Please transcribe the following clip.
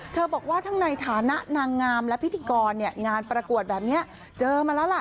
บอกว่าทั้งในฐานะนางงามและพิธีกรงานประกวดแบบนี้เจอมาแล้วล่ะ